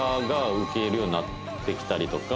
ようになってきたりとか。